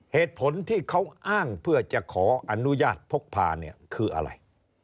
เหตุผลที่เขาอ้างเพื่อจะขออนุญาตพกพาเนี่ยคืออะไร